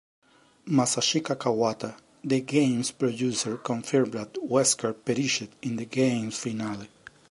Masachika Kawata, the game's producer, confirmed that Wesker perished in the game's finale.